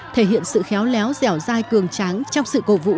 thể hiện sự khéo léo dẻo dai cường tráng trong sự cầu vũ